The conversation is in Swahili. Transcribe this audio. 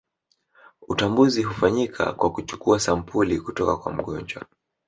Utambuzi hufanyika kwa kuchukua sampuli kutoka kwa mgonjwa